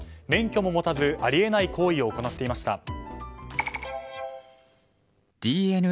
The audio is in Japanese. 免許も持たずあり得ない行為を行っていました。